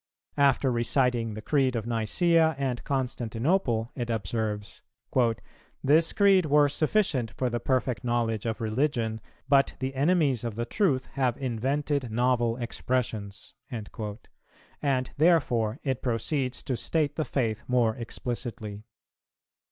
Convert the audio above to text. After reciting the Creed of Nicæa and Constantinople, it observes, "This Creed were sufficient for the perfect knowledge of religion, but the enemies of the truth have invented novel expressions;" and therefore it proceeds to state the faith more explicitly.